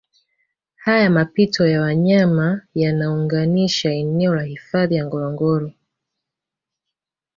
Haya mapito ya wanyama yanaunganisha eneo la hifadhi ya Ngorongoro